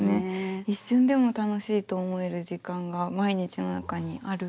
一瞬でも楽しいと思える時間が毎日の中にある。